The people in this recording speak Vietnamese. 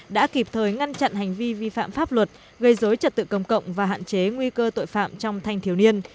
đã kịp thời ngăn chặn hành vi vi phạm pháp luật gây dối trật tự công cộng và hạn chế nguy cơ tội phạm trong thanh thiếu niên